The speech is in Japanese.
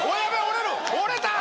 折れた！